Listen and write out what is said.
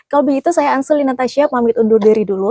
kalau begitu saya anseli natasha pamit undur dari dulu